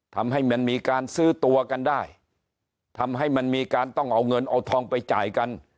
ทำให้มันมีการซื้อตัวกันได้ทำให้มันมีการต้องเอาเงินเอาทองไปจ่ายกัน